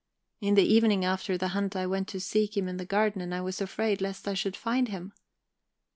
"In the evening after the hunt I went to seek him in the garden, and I was afraid lest I should find him.